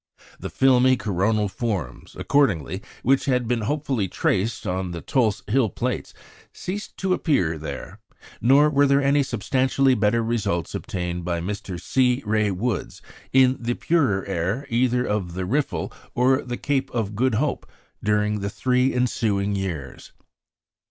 The filmy coronal forms, accordingly, which had been hopefully traced on the Tulse Hill plates ceased to appear there; nor were any substantially better results obtained by Mr. C. Ray Woods, in the purer air either of the Riffel or the Cape of Good Hope, during the three ensuing years.